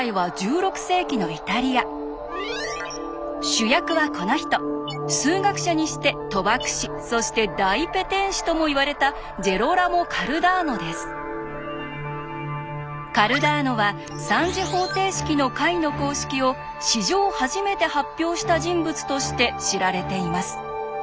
主役はこの人数学者にして賭博師そして大ペテン師ともいわれたカルダーノは３次方程式の解の公式を史上初めて発表した人物として知られています。